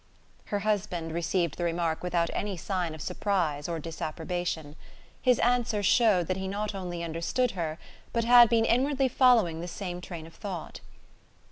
Her husband received the remark without any sign of surprise or disapprobation; his answer showed that he not only understood her, but had been inwardly following the same train of thought.